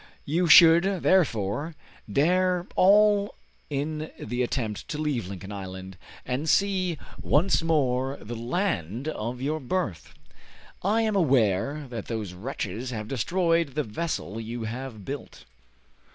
You should, therefore, dare all in the attempt to leave Lincoln Island, and see once more the land of your birth. I am aware that those wretches have destroyed the vessel you have built."